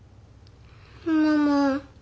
ママ。